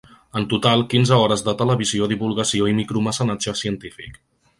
En total, quinze hores de televisió, divulgació i micromecenatge científic.